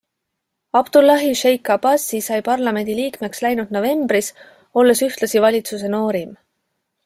Abdullahi Sheikh Abasi sai parlamendi liikmeks läinud novembris, olles ühtlasi valitsuse noorim.